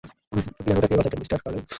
পিয়ানোটা কে বাজাতেন, mister Carlyle?